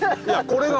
これが？